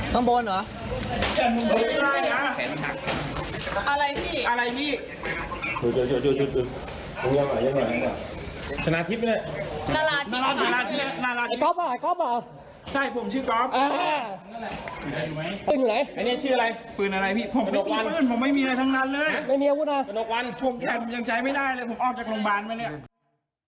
ปืนอะไรปืนอะไรพี่ผมไม่มีปืนผมไม่มีอะไรทั้งนั้นเลยไม่มีอาวุธอะไรจนกวันผมแข่งจังใจไม่ได้เลยผมอ้อมจากโรงพยาบาลไหมเนี่ย